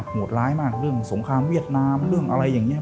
โหดร้ายมากเรื่องสงครามเวียดนามเรื่องอะไรอย่างนี้